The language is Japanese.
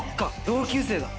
同級生だ。